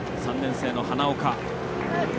３年生の花岡。